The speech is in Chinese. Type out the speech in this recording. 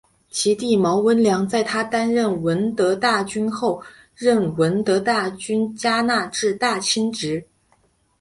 其弟毛温良在她担任闻得大君后任闻得大君加那志大亲职。